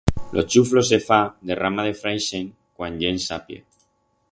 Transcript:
Lo chuflo se fa de rama de fraixen cuan ye en sapia.